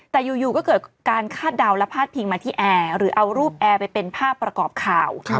แต่อยู่ก็เกิดการคาดเดาและพาดพิงมาที่แอร์หรือเอารูปแอร์ไปเป็นภาพประกอบข่าว